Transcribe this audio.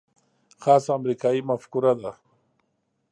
خاصه امریکايي مفکوره ده.